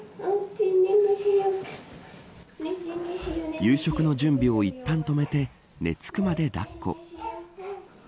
夕食の準備をいったん止めて寝付くまで、だっこ。